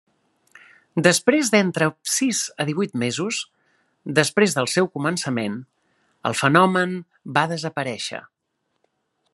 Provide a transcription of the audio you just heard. Després d'entre sis a divuit mesos després del seu començament, el fenomen va desaparèixer.